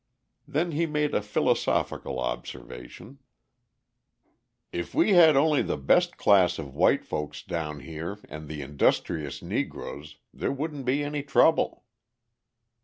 Then he made a philosophical observation: "If we had only the best class of white folks down here and the industrious Negroes, there wouldn't be any trouble."